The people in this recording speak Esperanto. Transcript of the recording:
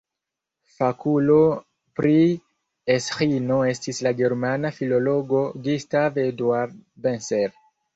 Fakulo pri Esĥino estis la germana filologo Gustav Eduard Benseler.